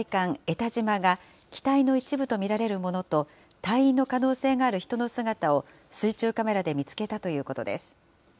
たじまが機体の一部と見られるものと、隊員の可能性がある人の姿を水中カメラで見つけたということです。